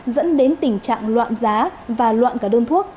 tình trạng loạn giá và loạn cả đơn thuốc